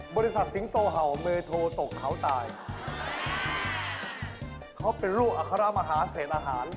สิงโตเห่ามือโทตกเขาตายเขาเป็นลูกอัครมหาเศษอาหาร